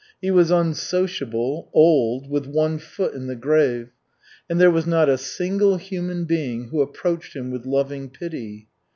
He was unsociable, old, with one foot in the grave, and there was not a single human being who approached him with loving pity.